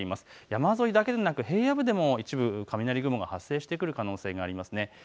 山沿いだけではなく平野部でも一部、雷雲が発生してくる可能性があります。